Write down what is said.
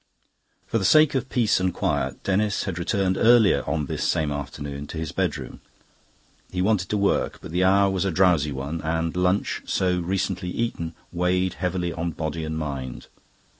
For the sake of peace and quiet Denis had retired earlier on this same afternoon to his bedroom. He wanted to work, but the hour was a drowsy one, and lunch, so recently eaten, weighed heavily on body and mind.